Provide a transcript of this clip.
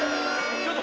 ちょっと！